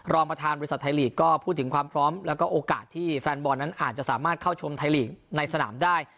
รองประธานบริษัทไทยลีกก็พูดถึงความพร้อมแล้วก็โอกาสที่แฟนบอลนั้นอาจจะสามารถเข้าชมไทยลีกในสนามได้